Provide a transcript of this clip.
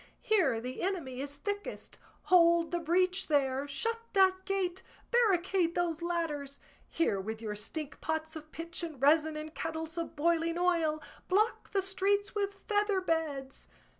Here the enemy is thickest! Hold the breach there! Shut that gate! Barricade those ladders! Here with your stink pots of pitch and resin, and kettles of boiling oil! Block the streets with feather beds!"